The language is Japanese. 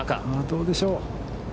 どうでしょう？